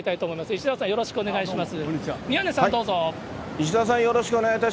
石澤さん、よろしくお願いします。